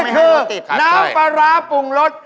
คือน้ำปลาร้าปรุงรส